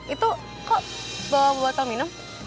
itu kok bawa buatan minum